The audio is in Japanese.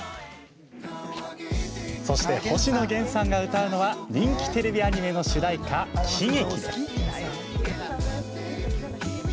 そして、星野源さんが歌うのは人気テレビアニメの主題歌「喜劇」。